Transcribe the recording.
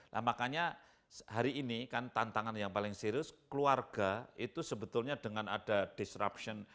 nah makanya hari ini kan tantangan yang paling serius keluarga itu sebetulnya dengan ada disruption